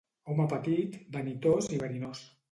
Home petit, vanitós i verinós.